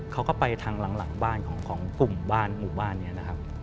เขาก็ไปทางหลังบ้านของกลุ่มบ้านหมู่บ้านนี้นะครับ